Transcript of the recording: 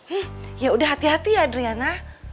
eh yaudah hati hati ya adriana